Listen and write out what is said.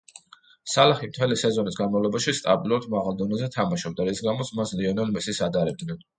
სალაჰი მთელი სეზონის განმავლობაში სტაბილურად მაღალ დონეზე თამაშობდა, რის გამოც მას ლიონელ მესის ადარებდნენ.